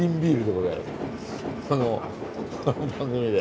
この番組で。